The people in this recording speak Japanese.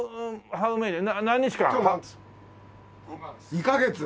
２カ月。